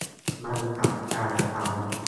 มันตัดกลางคำ